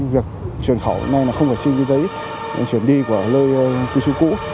việc truyền khẩu này là không phải xin cái giấy truyền đi của lời cư trú cũ